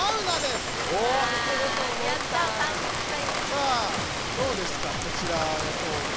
さあどうですかこちらの競技。